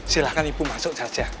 silahkan ibu masuk saja